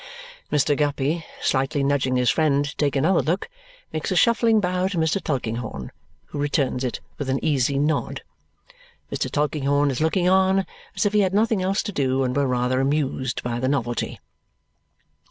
Mr. Guppy, slightly nudging his friend to take another look, makes a shuffling bow to Mr. Tulkinghorn, who returns it with an easy nod. Mr. Tulkinghorn is looking on as if he had nothing else to do and were rather amused by the novelty.